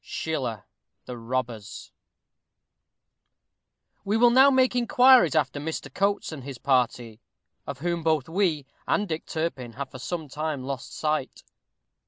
SCHILLER: The Robbers. We will now make inquiries after Mr. Coates and his party, of whom both we and Dick Turpin have for some time lost sight.